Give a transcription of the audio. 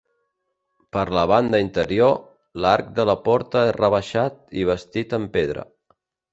Per la banda interior, l'arc de la porta és rebaixat i bastit amb pedra.